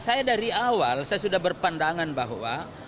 saya dari awal saya sudah berpandangan bahwa